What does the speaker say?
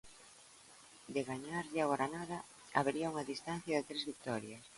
De gañarlle ao Granada, habería unha distancia de tres vitorias.